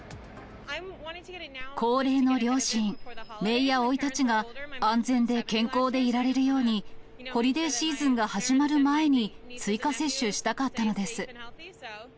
高齢の両親、めいやおいたちが安全で健康でいられるように、ホリデーシーズンが始まる前に追加接種したかったのです。